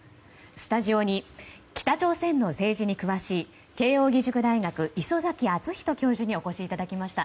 スタジオに北朝鮮の政治に詳しい慶應義塾大学礒崎敦仁教授にお越しいただきました。